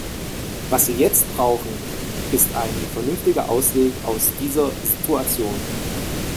Was wir jetzt brauchen, ist ein vernünftiger Ausweg aus dieser Situation.